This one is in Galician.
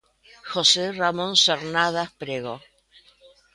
José Ramón Cernadas Prego.